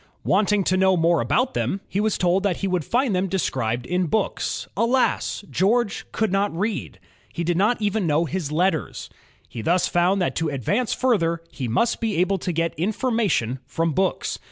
Wanting to know more about them, he was told that he would find them described in books. Alas! George could not read, — he did not even know his letters. He thus found that to advance further, he must be able to get information from books.